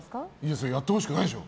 それはやってほしくないでしょ。